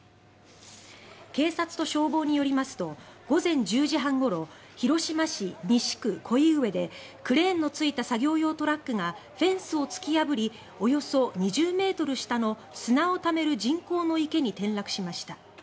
警察と消防によりますと午前１０時半ごろ広島市西区己斐上でクレーンのついた作業用トラックがフェンスを突き破りおよそ２０ｍ下の砂をためる人工の池に転落しました。